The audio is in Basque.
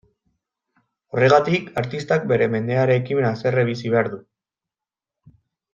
Horregatik, artistak bere mendearekin haserre bizi behar du.